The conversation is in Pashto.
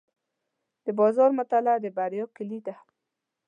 د بازار مطالعه د بریا کلي ده.